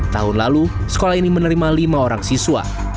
tahun lalu sekolah ini menerima lima orang siswa